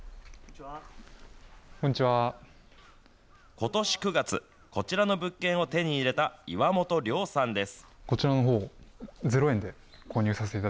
ことし９月、こちらの物件を手に入れた岩本涼さんです。